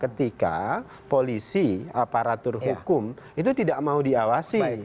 ketika polisi aparatur hukum itu tidak mau diawasi